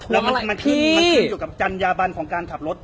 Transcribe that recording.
ถม่ายพี่กระพันยาบัญของการขับรถ